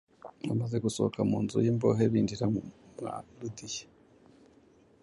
Bamaze gusohoka mu nzu y’imbohe, binjira mwa Ludiya,